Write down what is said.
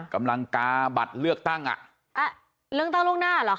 กำลังกาบัตรเลือกตั้งอ่ะเลือกตั้งล่วงหน้าเหรอค